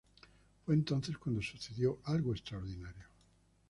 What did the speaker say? Fue entonces cuando sucedió algo extraordinario.